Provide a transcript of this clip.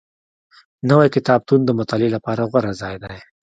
نوی کتابتون د مطالعې لپاره غوره ځای دی